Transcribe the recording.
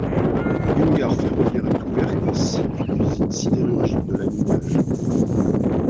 Une gare ferroviaire est ouverte ainsi qu'une usine sidérurgique de laminage.